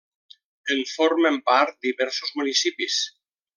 En formen part diversos municipis.